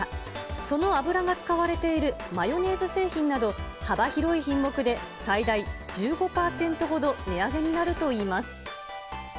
その油が使われているマヨネーズ製品など、幅広い品目で最大１５％ほど値上げになるといいます。